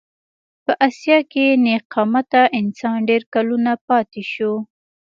په اسیا کې نېغ قامته انسان ډېر کلونه پاتې شو.